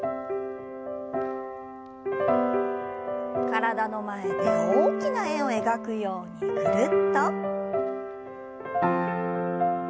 体の前で大きな円を描くようにぐるっと。